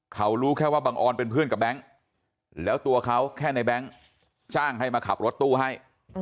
เขารู้แค่ว่าบังออนเป็นเพื่อนกับแบงค์แล้วตัวเขาแค่ในแบงค์จ้างให้มาขับรถตู้ให้